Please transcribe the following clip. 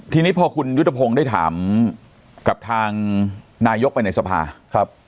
ทีนี้พอคุณยุทธพงศ์ได้ถามกับทางนายกไปในสภาครับ